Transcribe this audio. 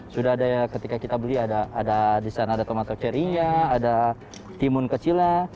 sudah ada ketika kita beli ada di sana ada tomat of cherry nya ada timun kecilnya